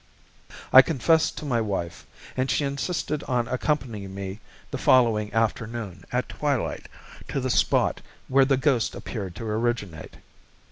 I confessed to my wife, and she insisted on accompanying me the following afternoon, at twilight, to the spot where the ghost appeared to originate.